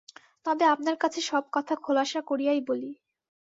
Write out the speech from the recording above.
তবে আপনার কাছে সব কথা খোলসা করিয়াই বলি।